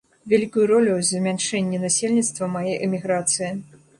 Вялікую ролю ў змяншэнні насельніцтва мае эміграцыя.